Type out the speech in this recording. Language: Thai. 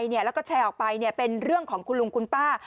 แล้วก็แชร์ออกไปเป็นเรื่องของคุณลุงคุณป้า